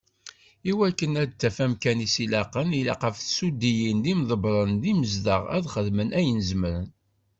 I wakken ad taf amkan i as-ilaqen, ilaq ɣef tsedduyin d yimḍebbren d yimezdaɣ, ad xedmen ayen zemmren.